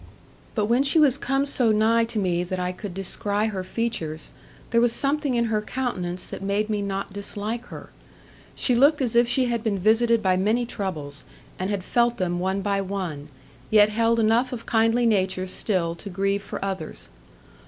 But when she was come so nigh to me that I could descry her features, there was something in her countenance that made me not dislike her. She looked as if she had been visited by many troubles, and had felt them one by one, yet held enough of kindly nature still to grieve for others.